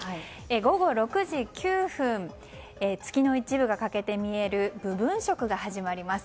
午後６時９分月の一部が欠けて見える部分食が始まります。